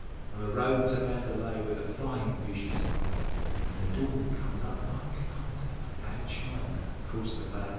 On the road to Mandalay, Where the flyin' fishes play, An' the dawn comes up like thunder outer China 'crost the Bay!